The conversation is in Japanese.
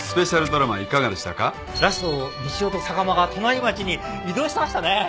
ラストみちおと坂間が隣町に異動してましたね。